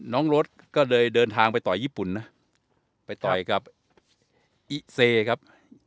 รถก็เลยเดินทางไปต่อยญี่ปุ่นนะไปต่อยกับอิเซครับ